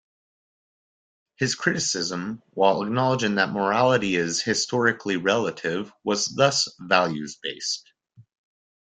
His criticism, while acknowledging that morality is historically relative, was thus values-based.